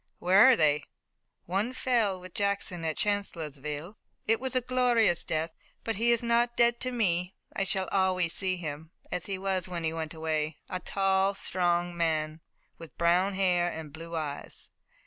"Where are they?" "One fell with Jackson at Chancellorsville. It was a glorious death, but he is not dead to me. I shall always see him, as he was when he went away, a tall, strong man with brown hair and blue eyes.